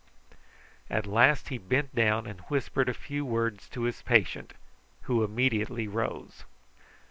At last he bent down and whispered a few words to his patient, who immediately rose.